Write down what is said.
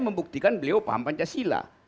membuktikan beliau paham pancasila